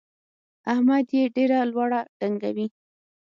احمد يې ډېره لوړه ډنګوي.